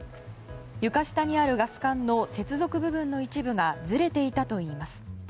床下にあるガス管の接続部分の一部がずれていたといいます。